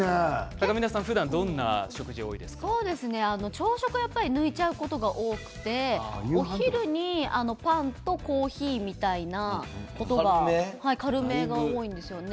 朝食は抜いちゃうことが多くてお昼にパンとコーヒーみたいなことが軽めが多いんですよね。